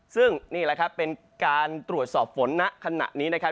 ซึ่งนี่แหละครับเป็นการตรวจสอบฝนณขณะนี้นะครับ